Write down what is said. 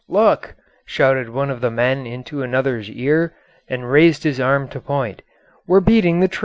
"Look!" shouted one of the men into another's ear, and raised his arm to point. "We're beating the train!"